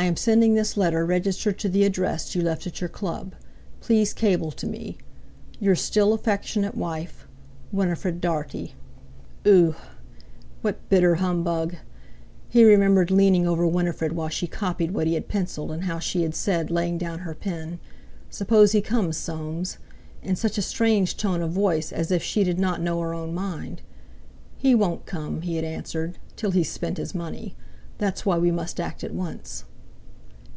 I am sending this letter registered to the address you left at your Club. Please cable to me. "Your still affectionate wife, "WINIFRED DARTIE." Ugh! What bitter humbug! He remembered leaning over Winifred while she copied what he had pencilled, and how she had said, laying down her pen, "Suppose he comes, Soames!" in such a strange tone of voice, as if she did not know her own mind. "He won't come," he had answered, "till he's spent his money. That's why we must act at once."